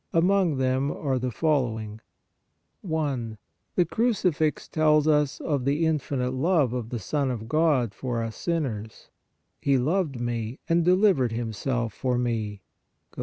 Among them are the following : 1. The Crucifix tells us of the infinite love of the Son of God for us, sinners :" He loved me and de livered Himself for me" (Gal.